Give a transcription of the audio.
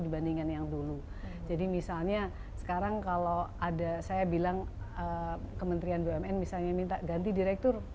dibandingkan yang dulu jadi misalnya sekarang kalau ada saya bilang kementerian bumn misalnya minta ganti direktur